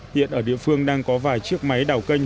hiện ở địa phương đang có vài chiếc máy đào kênh